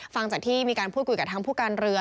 ฟังจากที่มีการพูดคุยกับทางผู้การเรือ